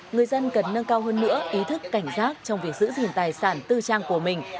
người dân cần nâng cao hơn nữa ý thức cảnh giác trong việc giữ gìn tài sản tư trang của mình